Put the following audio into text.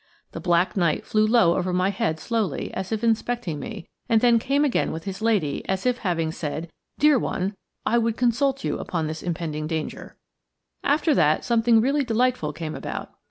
The black knight flew low over my head slowly, as if inspecting me, and then came again with his lady, as if having said, "Dear one, I would consult you upon this impending danger." After that, something really delightful came about.